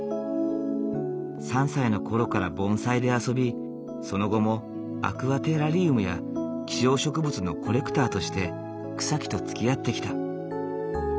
３歳の頃から盆栽で遊びその後もアクアテラリウムや希少植物のコレクターとして草木とつきあってきた。